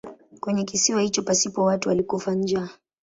Kwenye kisiwa hicho pasipo watu alikufa njaa.